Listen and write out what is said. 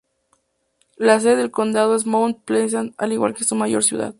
La sede del condado es Mount Pleasant, al igual que su mayor ciudad.